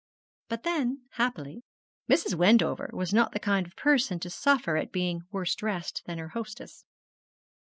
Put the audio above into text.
But then, happily, Mrs. Wendover was not the kind of person to suffer at being worse dressed than her hostess.